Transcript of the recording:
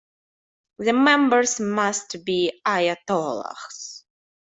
The members must be Ayatollahs.